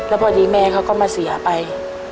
แล้วพอดีแม่เขาก็มาเสียไป